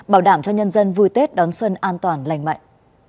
bảo đảm cho nhân dân vui tết đón xuân an toàn lành mạnh